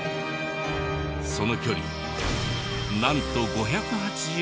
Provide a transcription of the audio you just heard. その距離なんと５８３キロメートル。